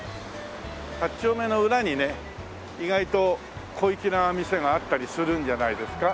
８丁目の裏にね意外と小粋な店があったりするんじゃないですか？